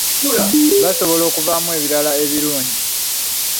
Basobola okuvaamu ebibala ebirungi.